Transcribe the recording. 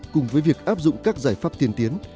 cùng với việc áp dụng các giải pháp tiên tiến